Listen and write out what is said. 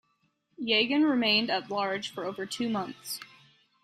Yagan remained at large for over two months.